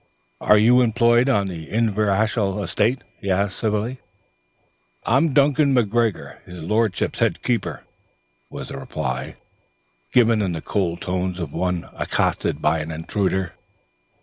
"Are you employed on the Inverashiel estate?" he asked civilly. "I'm Duncan McGregor, his lordship's head keeper," was the reply, given in the cold tones of one accosted by an intruder.